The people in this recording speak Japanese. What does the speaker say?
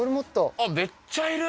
あっめっちゃいる。